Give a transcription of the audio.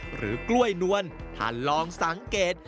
หรือกล้วยนวลท่านลองสังเกต